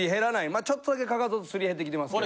まあちょっとだけかかとすり減ってきてますけど。